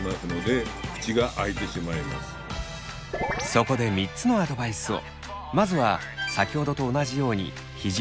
そこで３つのアドバイスを。